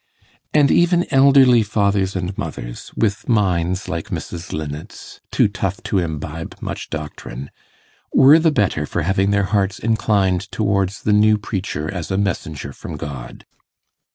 And even elderly fathers and mothers, with minds, like Mrs. Linnet's, too tough to imbibe much doctrine, were the better for having their hearts inclined towards the new preacher as a messenger from God.